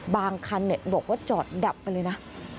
บางคันบอกว่าจอดดับไปเลยนะ